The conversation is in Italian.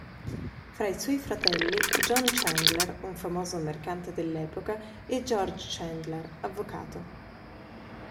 Fra i suoi fratelli, John Chandler un famoso mercante dell'epoca e George Chandler avvocato.